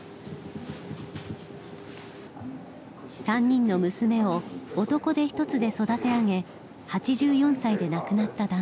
３人の娘を男手一つで育て上げ８４歳で亡くなった男性。